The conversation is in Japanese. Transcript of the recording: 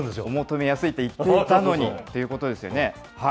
お求めやすいと言っていたのにということですよね。